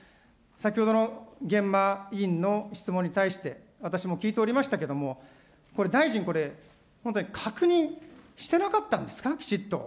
先ほどの源馬委員の質問に対して、私も聞いておりましたけれども、これ、大臣これ、本当に確認してなかったんですか、きちっと。